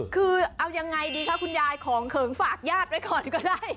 คือเอายังไงดีคะคุณยายของเขิงฝากญาติไว้ก่อนก็ได้